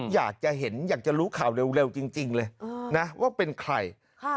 อยากจะเห็นอยากจะรู้ข่าวเร็วจริงเลยนะว่าเป็นใคร